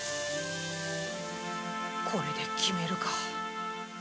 これで決めるか。